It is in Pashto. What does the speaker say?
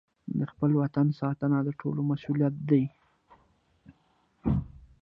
د خپل وطن ساتنه د ټولو مسوولیت دی.